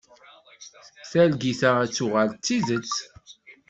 Targit-a ad tuɣal d tidet.